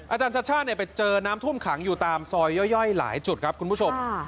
อาจารย์ชาติชาติไปเจอน้ำท่วมขังอยู่ตามซอยย่อยหลายจุดครับคุณผู้ชม